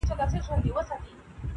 ته به ژاړې پر عمل به یې پښېمانه-